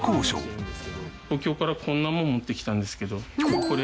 東京からこんなもの持ってきたんですけど。